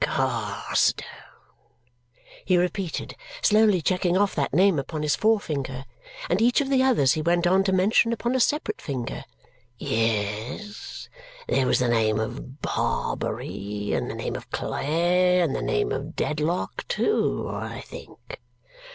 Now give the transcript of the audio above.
"Carstone," he repeated, slowly checking off that name upon his forefinger; and each of the others he went on to mention upon a separate finger. "Yes. There was the name of Barbary, and the name of Clare, and the name of Dedlock, too, I think."